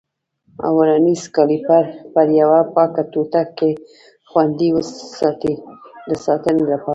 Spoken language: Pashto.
ورنیز کالیپر پر یوه پاکه ټوټه کې خوندي وساتئ د ساتنې لپاره.